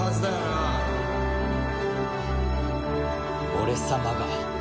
俺様が。